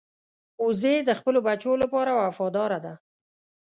وزې د خپلو بچو لپاره وفاداره ده